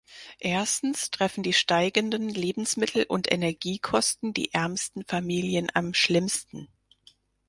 Erstens treffen die steigenden Lebensmittel- und Energiekosten die ärmsten Familien am schlimmsten.